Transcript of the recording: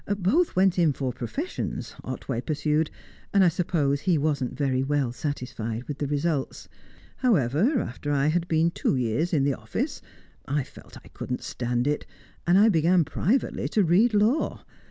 "Both went in for professions," Otway pursued, "and I suppose he wasn't very well satisfied with the results. However, after I had been two years in the office, I felt I couldn't stand it, and I began privately to read law.